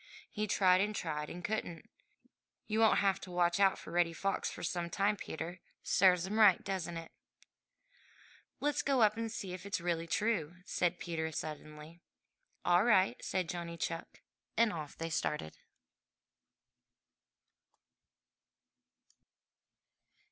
He tried and tried and couldn't. You won't have to watch out for Reddy Fox for some time, Peter. Serves him right, doesn't it?'' "Let's go up and see if it really is true!" said Peter suddenly. "All right," said Johnny Chuck, and off they started.